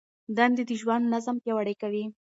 دندې د ژوند نظم پیاوړی کوي.